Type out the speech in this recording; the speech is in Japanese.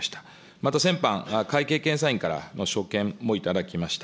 また先般、会計検査院から所見もいただきました。